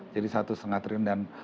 jadi satu lima triliun